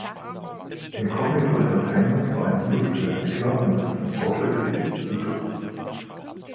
Incognito Entertainment war ein Videospiel-Entwickler mit Sitz in Salt Lake City, Utah.